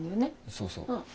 そうそう。